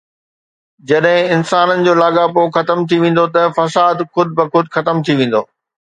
جڏهن انسانن جو لاڳاپو ختم ٿي ويندو ته فساد خود بخود ختم ٿي ويندو